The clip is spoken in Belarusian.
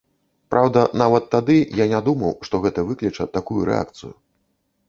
Праўда, нават тады я не думаў, што гэта выкліча такую рэакцыю.